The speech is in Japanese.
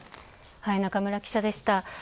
中村記者でした。